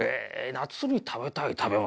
夏に食べたい食べ物